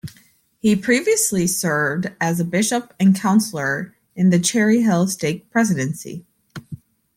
He previously served as a bishop and counselor in the Cherry Hill Stake Presidency.